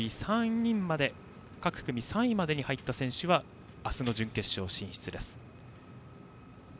各組３位までに入った選手は明日の準決勝進出です。